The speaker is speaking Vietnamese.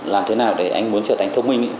làm thế nào để anh muốn trở thành thông minh